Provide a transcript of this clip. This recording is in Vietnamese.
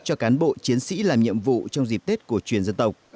cho cán bộ chiến sĩ làm nhiệm vụ trong dịp tết của chuyên dân tộc